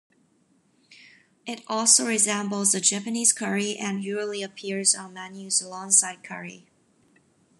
It also resembles a Japanese curry and usually appears on menus alongside curry.